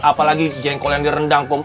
apalagi jengkol yang direndang kum